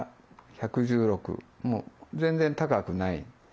もう全然高くない。